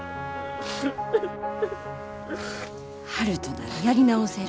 悠人ならやり直せる。